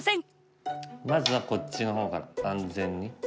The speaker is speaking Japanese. まずはこっちの方から安全に。